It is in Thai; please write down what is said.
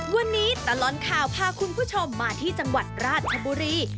วันนี้ตลอดข่าวพาคุณผู้ชมมาที่จังหวัดราชบุรี